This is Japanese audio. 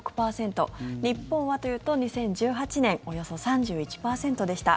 日本はというと２０１８年およそ３１％でした。